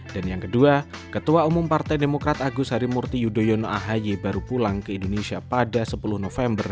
dan yang kedua ketua umum partai demokrat agus harimurti yudhoyono ahaye baru pulang ke indonesia pada sepuluh november dua ribu dua puluh dua